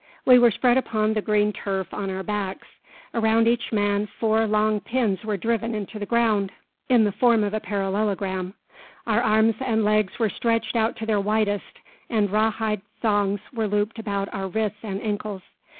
We were spread upon the green turf on our backs. Around each man four long pins were driven into the ground, in the form of a parallelogram. Our arms and legs were stretched out to their widest, and raw hide thongs were looped about our wrists and ankles.